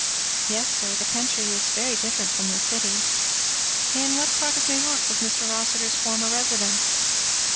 "Yes, sir; the country is very different from the city." "In what part of New York was Mr. Rossitur's former residence?"